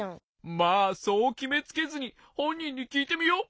まあそうきめつけずにほんにんにきいてみよう。